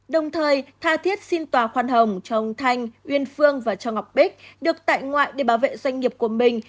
đồng thời tha thiết xin tòa khoan hồng cho ông thanh uyên phương và cho ngọc bích được tại ngoại để bảo vệ doanh nghiệp của mình